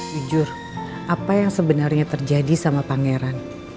jujur apa yang sebenarnya terjadi sama pangeran